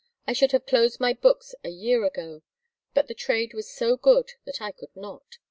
I should have closed my books a year ago; but the trade was so good that I could not.